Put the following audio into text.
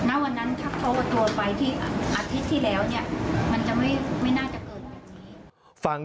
ณวันนั้นถ้าเขาเอาตัวไปที่อาทิตย์ที่แล้วเนี่ยมันจะไม่น่าจะเกิดแบบนี้